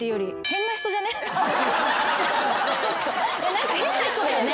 何か変な人だよね？